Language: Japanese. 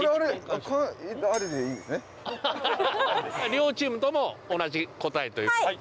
両チームとも同じ答えということで。